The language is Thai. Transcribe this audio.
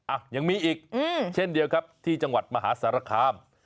อ่ะยังมีอีกเช่นเดียวครับที่จังหวัดมหาสารคาม